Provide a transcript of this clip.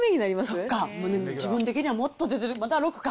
そっか、もうね、自分的にはもっと出てる、まだ６か。